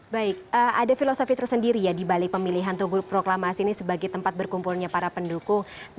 baik ada filosofi tersendiri ya dibalik pemilihan tugu proklamasi ini sebagai tempat berkumpulnya para pendukung